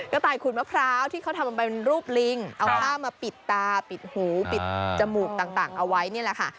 ต่ายขูดมะพร้าวที่เขาทำไปเป็นรูปลิงเอาผ้ามาปิดตาปิดหูปิดจมูกต่างเอาไว้นี่แหละค่ะ